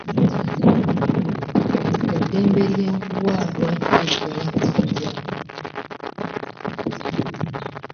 Eddembe lye nkuwa lwaki oligalabanja?